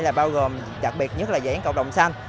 là bao gồm đặc biệt nhất là diễn cộng đồng xanh